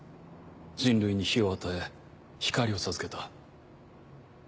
人類に火を与え光を授けた。